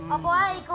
apa lagi ibu